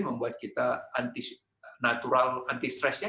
membuat kita natural antistresnya